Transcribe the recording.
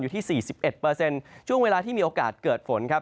อยู่ที่๔๑ช่วงเวลาที่มีโอกาสเกิดฝน